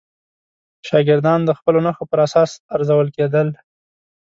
شاګردان د خپلو نښو پر اساس ارزول کېدل.